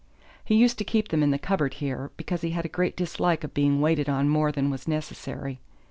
He used to keep them in the cupboard here because he had a great dislike of being waited on more than was necessary.